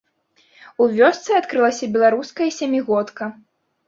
У вёсцы адкрылася беларуская сямігодка.